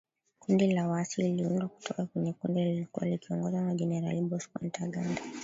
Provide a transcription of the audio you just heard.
Kundi la waasi liliundwa kutoka kwenye kundi lililokuwa likiongozwa na Generali Bosco Ntaganda